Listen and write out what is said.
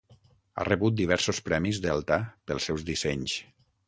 Ha rebut diversos premis Delta pels seus dissenys.